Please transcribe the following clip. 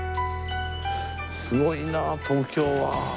すごいなあ東京は。